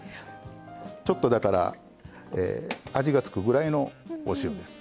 ちょっとだから味が付くぐらいのお塩です。